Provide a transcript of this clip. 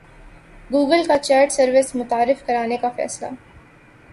Google کا chat service متعارف کرانے کا فیصلہ